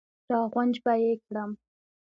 را غونج به یې کړم.